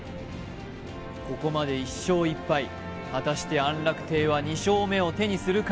ここまで１勝１敗果たして安楽亭は２勝目を手にするか？